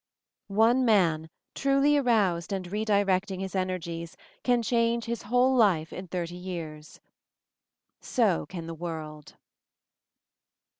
One man, truly aroused and redirecting his energies, can change his whole life in thirty years. So can the world.